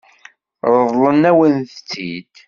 Ṛeḍlen-awen-tt-id?